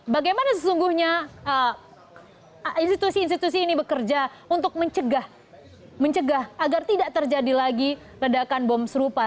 bagaimana sesungguhnya institusi institusi ini bekerja untuk mencegah agar tidak terjadi lagi ledakan bom serupa